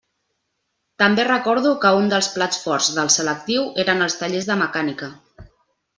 També recordo que un dels plats forts del selectiu eren els tallers de mecànica.